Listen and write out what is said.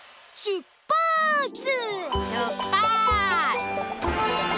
しゅっぱつ！